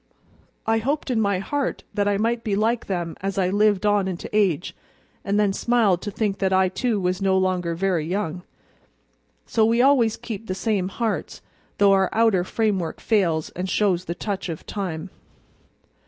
I hoped in my heart that I might be like them as I lived on into age, and then smiled to think that I too was no longer very young. So we always keep the same hearts, though our outer framework fails and shows the touch of time.